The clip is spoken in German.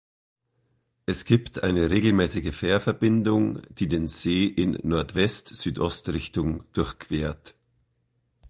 Es gibt eine regelmäßige Fährverbindung, die den See in Nordwest-Südost-Richtung durchquert.